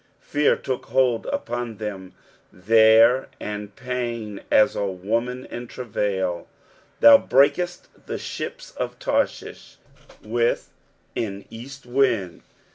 6 Fear took hold upon them there, and pain, as of a woman in travail. 7 Thou breakest the ships of Tarshish with an east wind.